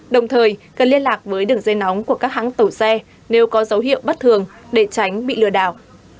đồng thời cần liên lạc với đường dây nóng của các hãng tàu xe nếu có dấu hiệu bất thường để tránh bị lừa đảo